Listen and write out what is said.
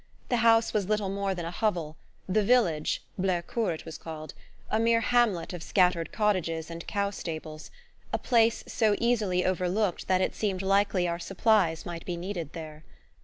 The house was little more than a hovel, the village Blercourt it was called a mere hamlet of scattered cottages and cow stables: a place so easily overlooked that it seemed likely our supplies might be needed there.